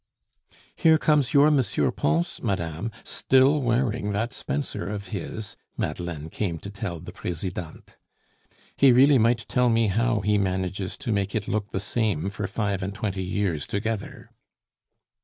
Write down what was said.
"Here comes your M. Pons, madame, still wearing that spencer of his!" Madeleine came to tell the Presidente. "He really might tell me how he manages to make it look the same for five and twenty years together."